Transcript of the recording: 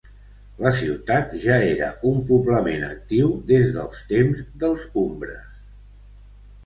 La ciutat ja era un poblament actiu des dels temps dels umbres.